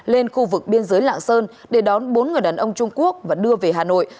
lên khu vực biên giới lạng sơn để đón bốn người đàn ông trung quốc và đưa về hà nội